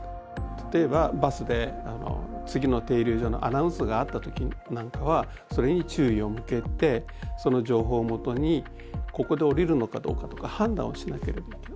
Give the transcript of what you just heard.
例えばバスで次の停留所のアナウンスがあった時なんかはそれに注意を向けてその情報をもとにここで降りるのかどうかとか判断をしなければいけない。